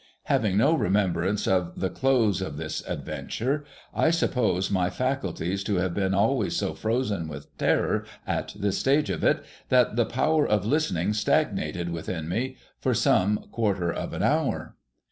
Having no re membrance of the close of this adventure, I suppose my faculties to have been always so frozen with terror at this stage of it, that the power of listening stagnated within me for some quarter of an hour.